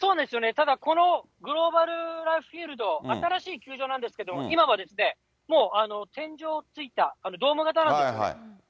ただこのグローブライフフィールド、新しい球場なんですけど、今はもう天井のついたドーム型なんです。